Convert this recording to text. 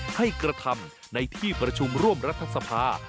ให้กระทำในที่ประชุมร่วมรัฐสภา